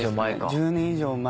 １０年以上前。